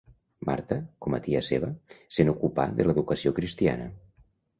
Marta, com a tia seva, se n'ocupà de l'educació cristiana.